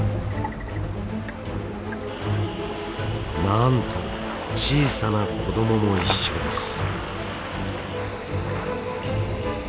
なんと小さな子どもも一緒です。